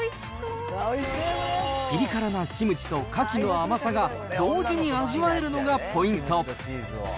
ピリ辛なキムチと、カキの甘さが同時に味わえるのがポイント。